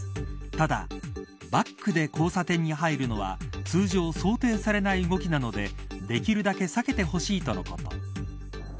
ただ、バックで交差点に入るのは通常、想定されない動きなのでできるだけ避けてほしいとのこと。